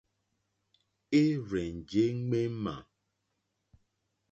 É rzènjé ŋmémà.